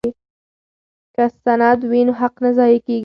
که سند وي نو حق نه ضایع کیږي.